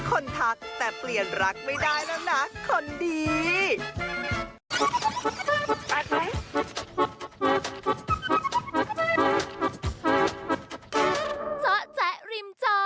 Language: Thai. ทักแต่เปลี่ยนรักไม่ได้แล้วนะคนดี